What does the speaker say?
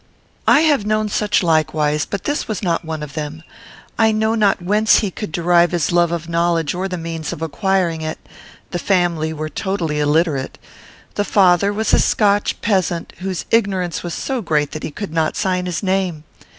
"I have known such likewise, but this was not one of them. I know not whence he could derive his love of knowledge or the means of acquiring it. The family were totally illiterate. The father was a Scotch peasant, whose ignorance was so great that he could not sign his name.